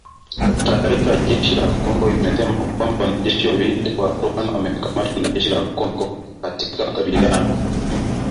Taarifa ya jeshi la Kongo imesema kwamba wanajeshi wawili wa Rwanda wamekamatwa na jeshi la Kongo katika makabiliano